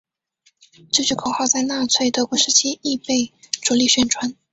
这句口号在纳粹德国时期亦被着力宣传。